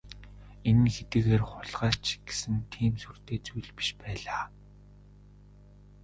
Энэ нь хэдийгээр хулгай ч гэсэн тийм сүртэй зүйл биш байлаа.